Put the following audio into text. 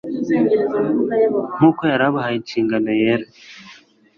Nk'uko yari abahaye inshingano yera,